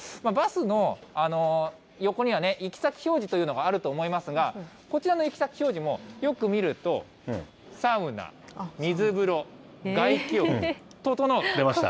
バスの横には、行き先表示というのがあると思いますが、こちらの行き先表示も、よく見ると、サウナ、水風呂、外気浴、ととのう。